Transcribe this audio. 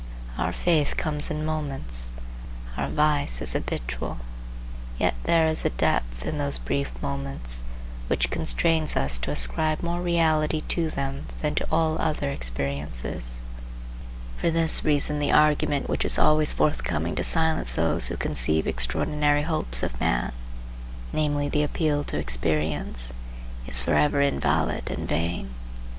Our faith comes in moments; our vice is habitual. Yet there is a depth in those brief moments which constrains us to ascribe more reality to them than to all other experiences. For this reason the argument which is always forthcoming to silence those who conceive extraordinary hopes of man, namely the appeal to experience, is for ever invalid and vain.